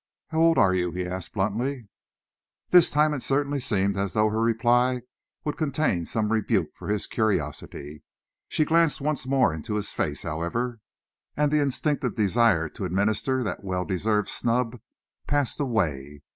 "How old are you?" he asked bluntly. This time it certainly seemed as though her reply would contain some rebuke for his curiosity. She glanced once more into his face, however, and the instinctive desire to administer that well deserved snub passed away.